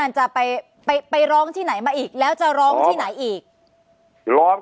จะไปไปร้องที่ไหนมาอีกแล้วจะร้องที่ไหนอีกร้อง